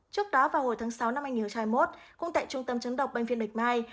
trước đó vào hồi tháng sáu năm anh nhớ trai một cũng tại trung tâm chống độc bệnh viện đạch mai